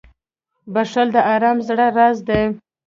• بښل د ارام زړه راز دی.